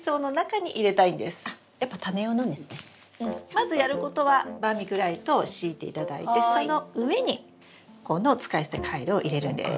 まずやることはバーミキュライトを敷いていただいてその上にこの使い捨てカイロを入れるんです。